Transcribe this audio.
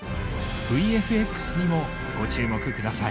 ＶＦＸにもご注目ください。